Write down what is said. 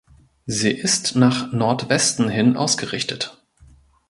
Sie ist nach Nordwesten hin ausgerichtet.